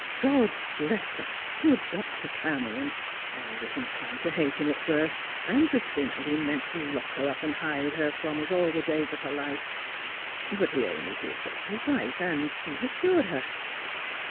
God bless that good Dr. Cameron ! I was in clined to hate him at first, and to think that he meant to lock her up and hide her from us all the days of her life. But he only did what was right, and he has cured her.